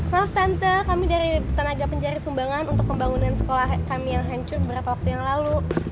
maaf tante kami dari tenaga pencari sumbangan untuk pembangunan sekolah kami yang hancur beberapa waktu yang lalu